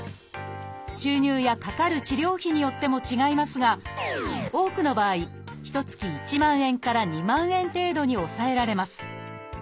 収入やかかる治療費によっても違いますが多くの場合ひと月１万円から２万円程度に抑えられます。